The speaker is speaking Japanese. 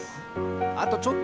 あとちょっと！